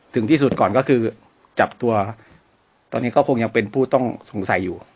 ถึงที่สุดก่อนก็คือจับตัวตอนนี้ก็คงยังเป็นผู้ต้องสงสัยอยู่